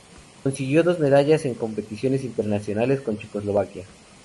Consiguió dos medallas en competiciones internacionales con Checoslovaquia.